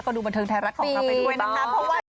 แล้วก็ดูบรรเทิงไทยรัฐของเขาไปด้วยนะครับ